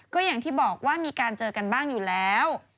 ก็อย่างที่บอกว่ามีการเจอกันบ้างอยู่แล้ว